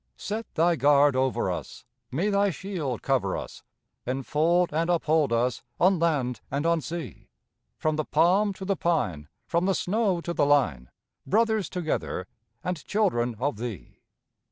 Set Thy guard over us, May Thy shield cover us, Enfold and uphold us On land and on sea! From the palm to the pine, From the snow to the line, Brothers together And children of Thee.